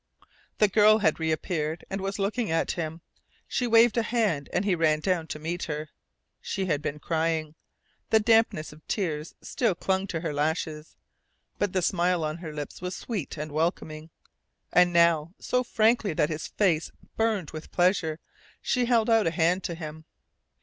The girl had reappeared, and was looking at him. She waved a hand, and he ran down to meet her. She had been crying. The dampness of tears still clung to her lashes; but the smile on her lips was sweet and welcoming, and now, so frankly that his face burned with pleasure, she held out a hand to him.